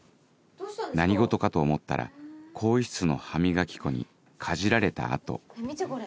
何事かと思ったら更衣室の歯磨き粉にかじられた跡見てこれ。